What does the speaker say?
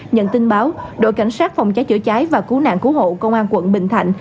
nhận tin báo đội cảnh sát phòng cháy chữa cháy và cứu nạn cứu hộ công an quận bình thạnh